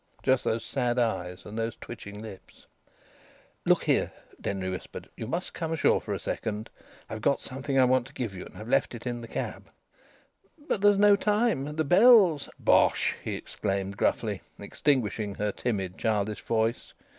Just those sad eyes and those twitching lips. "Look here," Denry whispered, "you must come ashore for a second. I've something I want to give you, and I've left it in the cab." "But there's no time. The bell's..." "Bosh!" he exclaimed gruffly, extinguishing her timid, childish voice.